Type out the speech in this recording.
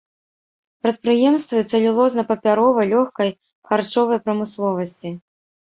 Прадпрыемствы цэлюлозна-папяровай, лёгкай, харчовай прамысловасці.